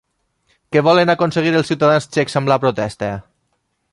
Què volen aconseguir els ciutadans txecs amb la protesta?